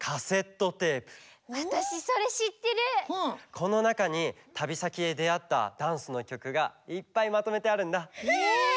このなかにたびさきでであったダンスのきょくがいっぱいまとめてあるんだ。え！？